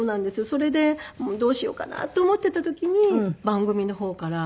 それでどうしようかなと思っていた時に番組の方から健康診断のお話があって。